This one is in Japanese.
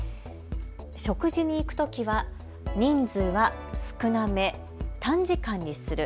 食事に行くときは人数は少なめ、短時間にする。